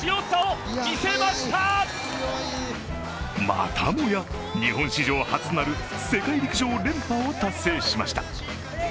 またもや日本史上初となる世界陸上連覇を達成しました。